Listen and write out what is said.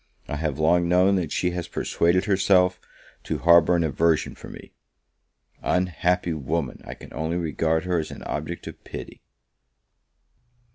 I have long known that she has persuaded herself to harbour an aversion for me Unhappy woman! I can only regard her as an object of pity!